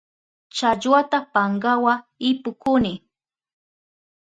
Challwata pankawa ipukuni.